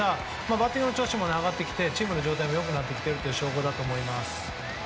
バッティングの調子も上がってきてチームの状態も上がってきた証拠だと思います。